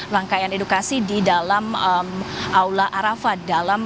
rangkaian edukasi di dalam aula arafat